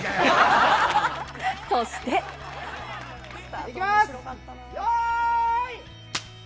そして。いきます、よーい。